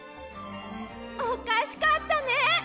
おかしかったね！